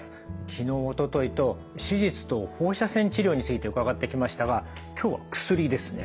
昨日おとといと手術と放射線治療について伺ってきましたが今日は薬ですね。